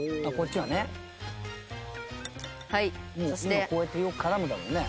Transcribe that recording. もう今こうやってよく絡むんだもんね。